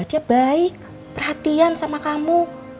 dia baik perhatian sama kamu